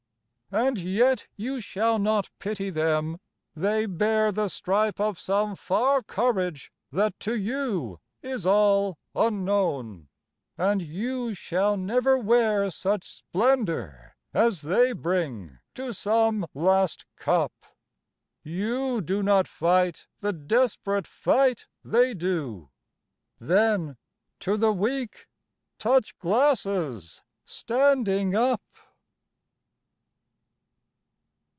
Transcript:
And yet you shall not pity them ! They bear The stripe of some far courage that to you Is all unknown — and you shall never wear Such splendor as they bring to some last eup ; You do not fight the desperate fight they do ; Then — ^to the Weak ! Touch glasses ! standing up